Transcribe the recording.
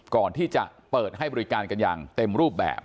ก่อนที่จะเปิดให้บริการกันอย่างเต็มรูปแบบ